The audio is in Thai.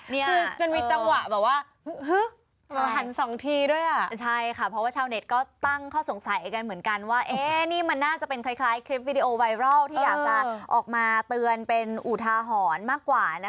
นี่มีการแบบเดี๋ยวก่อนคุณนี่มันคลิปแบบเขาทำเขาสร้างขึ้นมาไหม